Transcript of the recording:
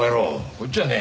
こっちはね